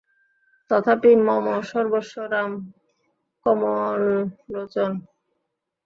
তথাপি মম সর্বস্ব রাম কমললোচনঃ।